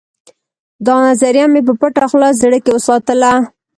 دا نظریه مې په پټه خوله زړه کې وساتله